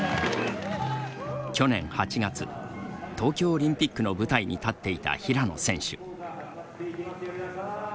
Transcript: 去年８月東京オリンピックの舞台に立っていた平野選手。